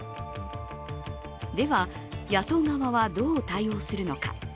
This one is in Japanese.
では、野党側はどう対応するのか。